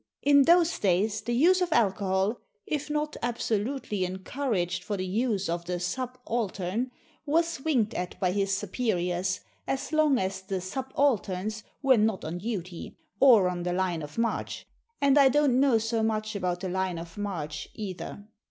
In those days the use of alcohol, if not absolutely encouraged for the use of the subaltern, was winked at by his superiors, as long as the subalterns were not on duty, or on the line of march and I don't know so much about the line of march, either.